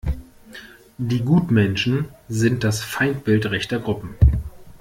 Die Gutmenschen sind das Feindbild rechter Gruppen.